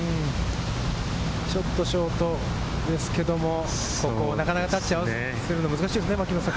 ちょっとショートですけれども、なかなかタッチを合わせるのは難しいですよね、牧野さん。